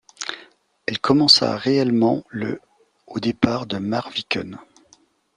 Elle commença réellement le au départ de Marviken.